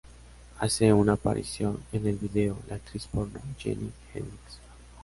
Hace una aparición en el video, la actriz porno Jenny Hendrix.